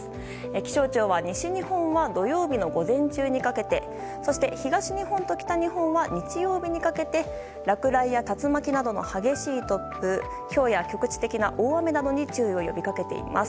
気象庁は、西日本は土曜日の午前中にかけて東日本と北日本は日曜日にかけて落雷や竜巻などの激しい突風ひょうや、局地的な大雨などに注意を呼び掛けています。